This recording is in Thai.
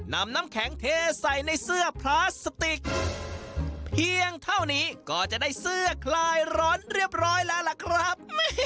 น้ำแข็งเทใส่ในเสื้อพลาสติกเพียงเท่านี้ก็จะได้เสื้อคลายร้อนเรียบร้อยแล้วล่ะครับ